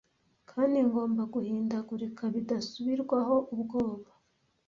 kandi ngomba guhindagurika bidasubirwaho ubwoba